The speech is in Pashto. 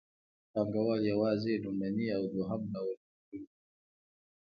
پانګوال یوازې لومړنی او دویم ډول ورکړي دي